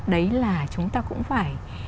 đấy là chúng ta cũng phải